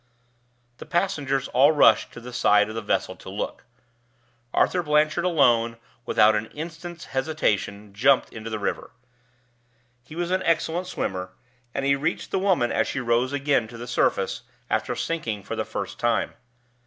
The passengers all rushed to the side of the vessel to look. Arthur Blanchard alone, without an instant's hesitation, jumped into the river. He was an excellent swimmer, and he reached the woman as she rose again to the surface, after sinking for the first time.